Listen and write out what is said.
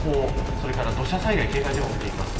それから土砂災害警戒情報を見ていきます。